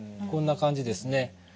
こんな感じですね。